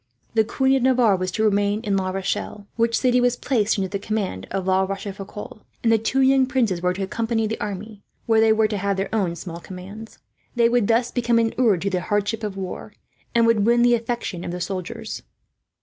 The Queen of Navarre was to remain in La Rochelle, which city was placed under the command of La Rochefoucault; and the two young princes were to accompany the army, where they were to have small commands. They would thus become inured to the hardships of war, and would win the affection of the soldiers.